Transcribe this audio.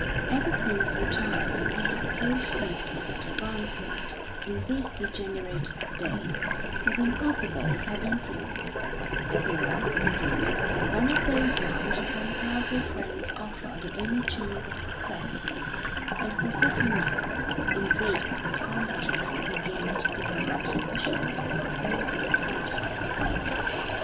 Ever since retiring he had told people that advancement, in these degenerate days, was impossible without influence: he was, indeed, one of those men to whom powerful friends offer the only chance of success; and possessing none, inveighed constantly against the corrupt officialism of those in authority.